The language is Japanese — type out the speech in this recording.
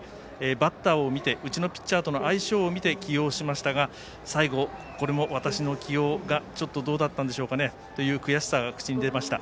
バッターを見てピッチャーとの相性を見て起用しましたが、最後これも私の起用がどうだったんでしょうかねという悔しさが口に出ました。